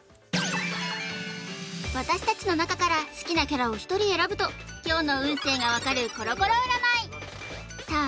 私たちの中から好きなキャラを１人選ぶと今日の運勢が分かるコロコロ占いさあ